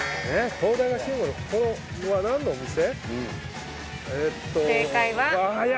ここは何のお店？」